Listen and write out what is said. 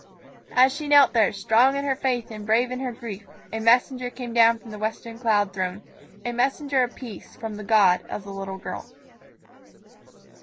And as she knelt there, strong in her faith and brave in her grief, a messenger came down from the western cloud throne a messenger of peace from the God of the little girl.